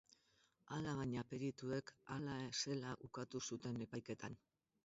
Alabaina, perituek hala zela ukatu zuten epaiketan.